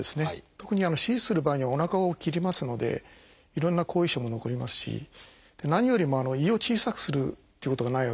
特に手術する場合にはおなかを切りますのでいろんな後遺症も残りますし何よりも胃を小さくするということがないわけですね。